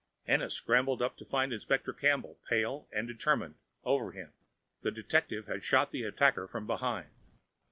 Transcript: Ennis scrambled up to find Inspector Campbell, pale and determined, over him. The detective had shot the attacker from behind.